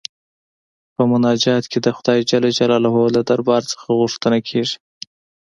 په مناجات کې د خدای جل جلاله له دربار څخه غوښتنه کيږي.